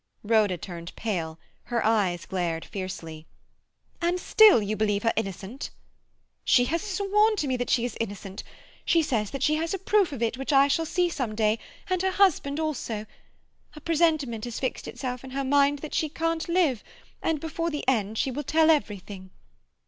Rhoda turned pale; her eyes glared fiercely. "And still you believe her innocent?" "She has sworn to me that she is innocent. She says that she has a proof of it which I shall see some day—and her husband also. A presentiment has fixed itself in her mind that she can't live, and before the end she will tell everything."